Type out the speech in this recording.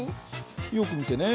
よく見てね。